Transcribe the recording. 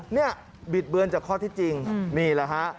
บิดเบือนจากข้อที่จริงนี่แหละฮะ